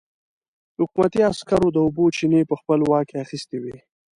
حکومتي عسکرو د اوبو چينې په خپل واک کې اخيستې وې.